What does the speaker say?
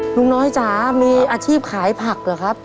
ลุงน้อยจ๋ามีอาชีพขายผักเหรอครับ